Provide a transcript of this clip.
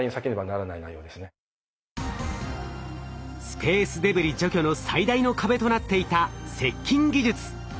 スペースデブリ除去の最大の壁となっていた接近技術。